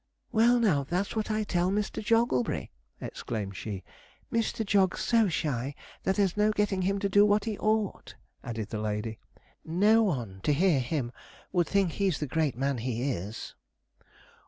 'Well, now that's what I tell Mr. Jogglebury,' exclaimed she. 'Mr. Jog's so shy, that there's no getting him to do what he ought,' added the lady. 'No one, to hear him, would think he's the great man he is.'